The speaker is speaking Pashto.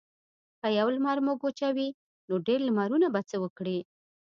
که یو لمر موږ وچوي نو ډیر لمرونه به څه وکړي.